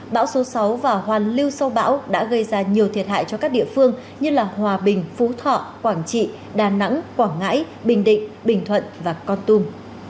bão số sáu và hoàn lưu sau bão đã gây ra nhiều thiệt hại cho các địa phương như hòa bình phú thọ quảng trị đà nẵng quảng ngãi bình định bình thuận và con tum